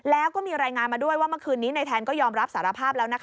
แล้วก็มีรายงานมาด้วยว่าเมื่อคืนนี้ในแทนก็ยอมรับสารภาพแล้ว